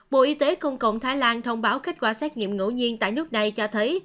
bộ y tế công cộng thái lan thông báo kết quả xét nghiệm ngẫu nhiên tại nước này cho thấy